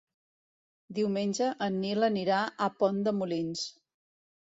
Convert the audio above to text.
Diumenge en Nil anirà a Pont de Molins.